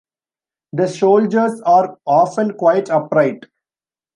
The shoulders are often quite upright.